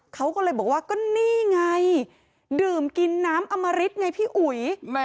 เขาก็เลยบอกว่าก็นี่ไงดื่มกินน้ำอมริตไงพี่อุ๋ย